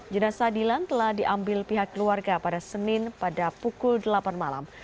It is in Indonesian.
jenasa dilan telah diambil pihak keluarga pada senin pada pukul delapan malam